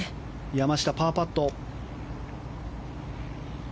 山下、パーパット。